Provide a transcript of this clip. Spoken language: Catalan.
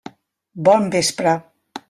Bon vespre.